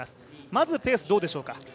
まずペース、どうでしょうか。